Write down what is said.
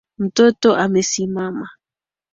Mtoto amesimama